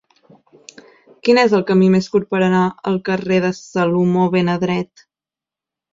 Quin és el camí més curt per anar al carrer de Salomó ben Adret